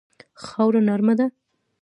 خاوره نرمه ده.